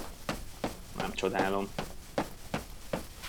Nem csodálom.